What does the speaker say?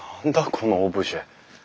このオブジェ。